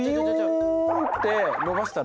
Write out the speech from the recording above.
ビヨンって伸ばしたら。